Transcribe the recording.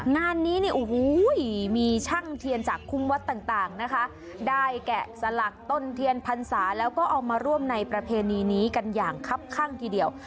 งานนี้เนี่ยโอ้โหมีช่างเทียนจากคุ้มวัดต่างนะคะได้แกะสลักต้นเทียนพรรษาแล้วก็เอามาร่วมในประเพณีนี้กันอย่างคับข้างทีเดียว